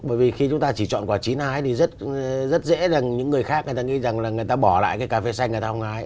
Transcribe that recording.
bởi vì khi chúng ta chỉ chọn quả chín ai thì rất dễ rằng những người khác người ta nghĩ rằng là người ta bỏ lại cái cà phê xanh người ta không ai